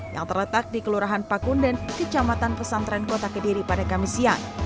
yang terletak di kelurahan pakunden kecamatan pesantren kota kediri pada kamis siang